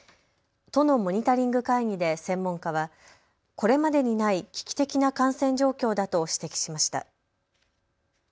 都のモニタリング会議で専門家はこれまでにない危機的な感染状況だと指摘しました。